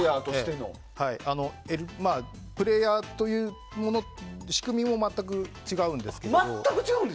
プレーヤーという仕組みも全く違うんですけど。